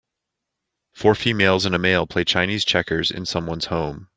Four females and a male play Chinese checkers in someone 's home.